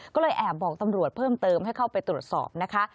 ก็เลยแอบบอกตำรวจเพิ่มเติมให้เข้าไปตรวจสอบนะคะ